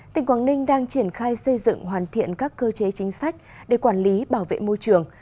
tỉnh quảng ninh đang triển khai xây dựng hoàn thiện các cơ chế chính sách để quản lý bảo vệ môi trường